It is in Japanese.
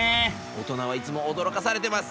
大人はいつもおどろかされてます。